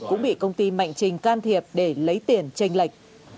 cũng bị công ty mạnh trình can thiệp để lấy tiền tranh lệch